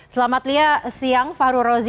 selamat siang fahru rozi